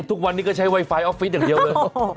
ทุกวันนี้ก็ใช้ไวไฟออฟฟิศอย่างเดียวเลย